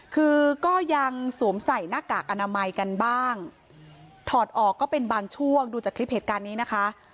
คือก็ยังสวมใส่หน้ากากอนามัยกันบ้างถอดออกก็เป็นบางช่วงดูจากคลิปเหตุการณ์นี้นะคะ